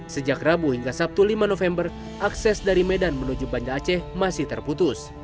sejak rabu hingga sabtu lima november akses dari medan menuju banda aceh masih terputus